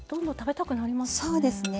そうですね。